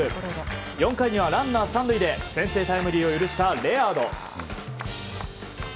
４回にはランナー３塁で先制タイムリーを許したレアード。